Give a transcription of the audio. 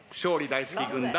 大好き軍団